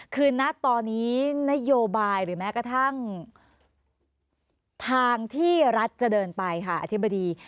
คือณตอนนี้นโยบายหรือแม้กระทั่งทางที่รัฐจะเดินไปค่ะอธิบดี